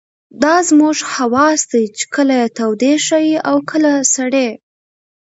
دا زموږ حواس دي چې کله يې تودې ښيي او کله سړې.